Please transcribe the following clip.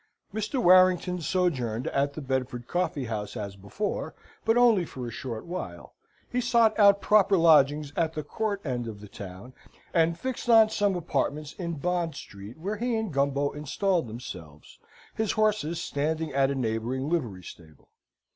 Mr. Warrington sojourned at the Bedford Coffee House as before, but only for a short while. He sought out proper lodgings at the Court end of the town, and fixed on some apartments in Bond Street, where he and Gumbo installed themselves, his horses standing at a neighbouring livery stable.